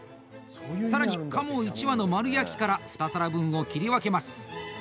さらに、鴨１羽の丸焼きから２皿分を切り分けます。